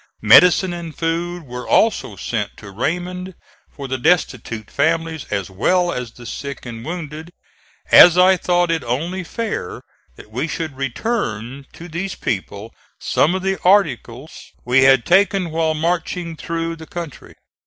Medicine and food were also sent to Raymond for the destitute families as well as the sick and wounded, as I thought it only fair that we should return to these people some of the articles we had taken while marching through the country.